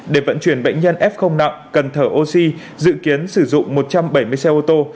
để vận chuyển bệnh nhân f nặng cần thở oxy dự kiến sử dụng một trăm bảy mươi xe ô tô